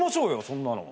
そんなの。